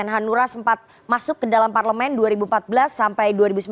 hanura sempat masuk ke dalam parlemen dua ribu empat belas sampai dua ribu sembilan belas